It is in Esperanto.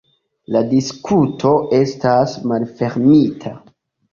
La diskuto estas malfermita.